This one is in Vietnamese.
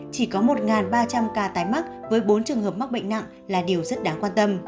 chỉ có một ba trăm linh ca tái mắc với bốn trường hợp mắc bệnh nặng là điều rất đáng quan tâm